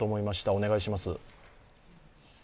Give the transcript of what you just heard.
お願いします。